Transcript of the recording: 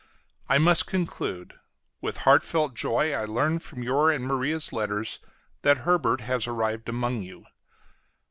I must conclude. With heartfelt joy I learnt from your and Maria's letters that Herbert has arrived among you.